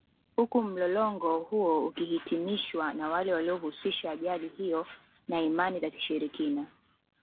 Huku mlolongo huo ukihitimishwa na wale waliohusisha ajali hiyo na Imani za Kishirikina